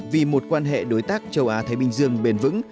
vì một quan hệ đối tác châu á thái bình dương bền vững